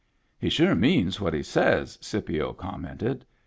" He sure means what he says," Scipio com mented.